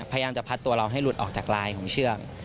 พยายามจะพัดตัวเราให้หลุดออกจากลายของเชือก